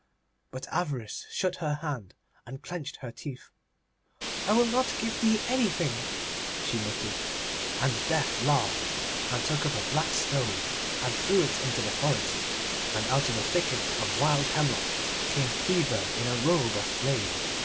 But Avarice shut her hand, and clenched her teeth. 'I will not give thee anything,' she muttered. And Death laughed, and took up a black stone, and threw it into the forest, and out of a thicket of wild hemlock came Fever in a robe of flame.